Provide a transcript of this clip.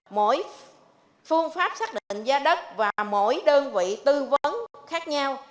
mỗi phương pháp xác định giá đất và mỗi đơn vị tư vấn khác nhau